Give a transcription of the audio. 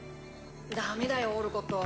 ダメだよオルコット。